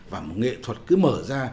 và một nghệ thuật cứ mở ra